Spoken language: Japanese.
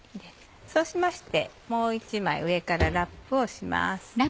そうしましてもう１枚上からラップをします。